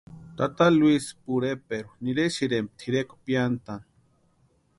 Tata Luisi pureperu nirasïrempti tʼirekwa piantani.